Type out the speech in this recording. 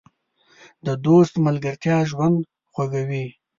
د دوست ملګرتیا ژوند خوږوي.